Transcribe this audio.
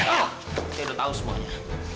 saya udah tahu semuanya